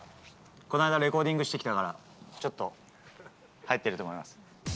この間、レコーディングしてきたから、ちょっと、入ってると思います。